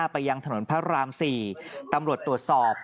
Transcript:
ไปยังถนนพระราม๔ตำรวจตรวจสอบ